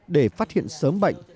để phát hiện sớm bệnh